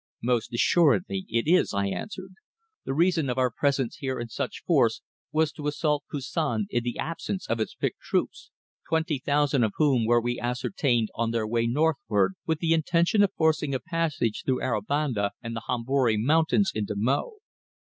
"Most assuredly it is," I answered. "The reason of our presence here in such force was to assault Koussan in the absence of its picked troops, twenty thousand of whom were we ascertained on their way northward, with the intention of forcing a passage through Aribanda and the Hombori Mountains into Mo.